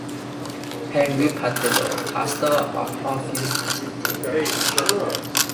Henry Patillo, pastor of Hawfields Presbyterian Church.